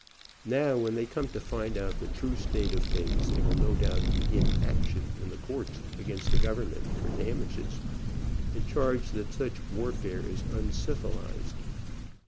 Now, when they come to find out the true state of things they will no doubt begin action in the courts against the government for damages, and charge that such warfare is uncivilized.